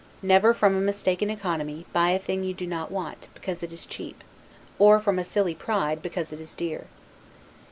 Never, from a mistaken economy, buy a thing you do not want, because it is cheap; or from a silly pride, because it is dear.